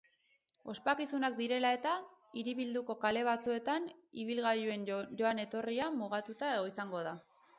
Ospakizunak direla eta, hiribilduko kale batzuetan ibilgailuen joan-etorria mugatuta izango da.